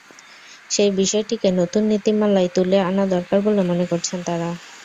সেই বিষয়টিকে নতুন নীতিমালায় তুলে আনা দরকার বলে মনে করছেন তাঁরা।